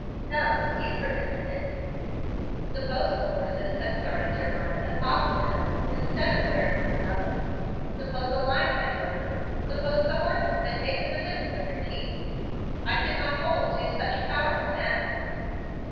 "No; you prevented it." "Suppose the horses had started to run at the top of the hill instead of where it was level; suppose a line had broken; suppose the horses had taken the bits in their teeth, I could not hold two such powerful animals.